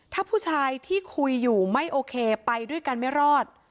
ถ้าผู้ชายที่คุยอยู่ไม่โอเคไปด้วยกันไม่รอด